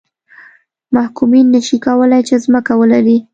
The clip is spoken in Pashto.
محکومین نه شي کولای چې ځمکه ولري.